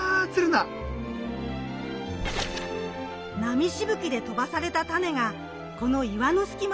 波しぶきで飛ばされたタネがこの岩の隙間に根づいたのかも！